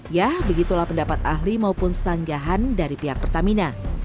ya begitulah pendapat ahli maupun sanggahan dari pihak pertamina